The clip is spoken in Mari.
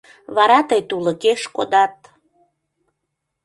Вара тый тулыкеш кодат...